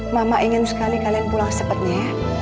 mama ingin sekali kalian pulang sepetnya ya